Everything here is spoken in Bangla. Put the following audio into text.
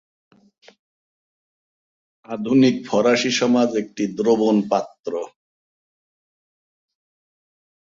আধুনিক ফরাসি সমাজ একটি দ্রবণ পাত্র।